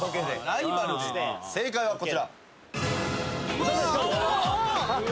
正解はこちら。